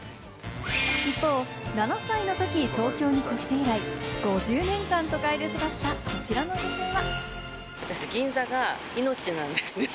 一方、７歳のとき東京に越して以来、５０年間、都会で育ったこちらの女性は。